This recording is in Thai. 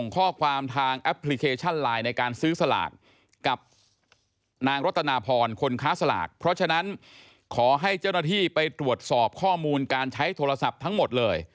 ของคนค้าสลากเพราะฉะนั้นขอให้เจ้าหน้าที่ไปตรวจสอบข้อมูลการใช้โทรศัพท์ทั้งหมดเลย